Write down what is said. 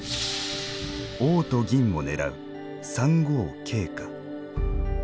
王と銀を狙う「３五桂」か。